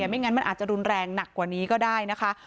ไม่งั้นมันอาจจะรุนแรงหนักกว่านี้ก็ได้นะคะ